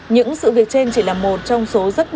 những sự việc trên chỉ là một trong số rất nhiều lực lượng